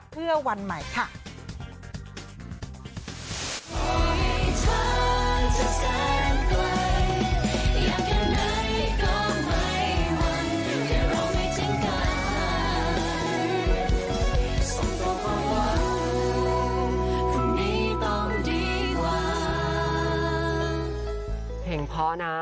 เพลงพอนะ